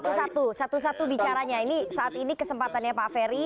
satu satu bicaranya ini saat ini kesempatannya pak ferry